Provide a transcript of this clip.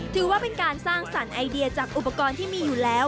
ถือว่าเป็นการสร้างสรรค์ไอเดียจากอุปกรณ์ที่มีอยู่แล้ว